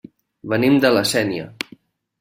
Venim de La Sénia.